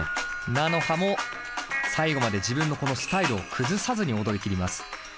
Ｎａｎｏｈａも最後まで自分のこのスタイルを崩さずに踊りきります。